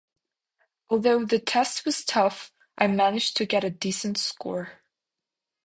Although the test was tough, I managed to get a decent score.